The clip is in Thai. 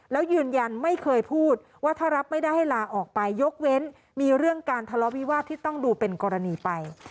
แล้วยืนยันไม่เคยพูดว่าถ้ารับไม่ได้ให้ลาออกไปยกเว้นมีเรื่องการทะเลาะวิวาสที่ต้องดูเป็นกรณีไป